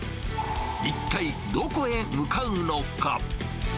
一体どこへ向かうのか。